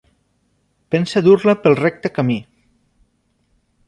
Pensa dur-la pel recte camí.